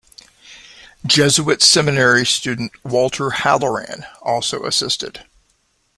Jesuit seminary student Walter Halloran also assisted.